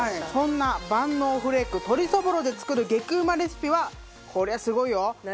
そんな万能フレーク鶏そぼろで作る激ウマレシピはこれはすごいよ。